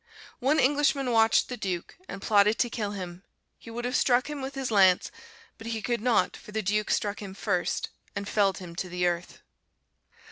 One Englishman watched the Duke, and plotted to kill him; he would have struck him with his lance, but he could not, for the Duke struck him first, and felled him to the earth.